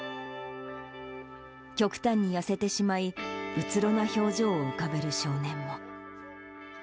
極端に痩せてしまい、うつろな表情を浮かべる少年も。